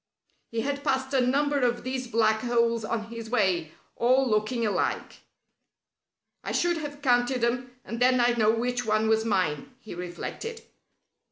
He had passed a number of these black holes on his way, all looking alike. "I should have counted them, and then I'd know which one was mine," he reflected.